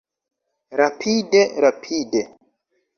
Rapide. Rapide.